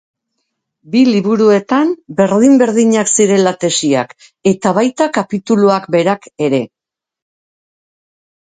Bi liburuetan berdin-berdinak zirela tesiak eta baita kapituluak berak ere.